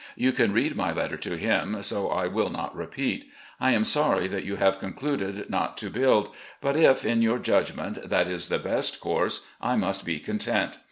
You can read my letter to him, so I will not repeat. I am sorry that you have concluded not to build, but if, in your judgment, that is the best course, I must be content.